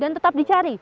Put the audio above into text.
dan tetap dicari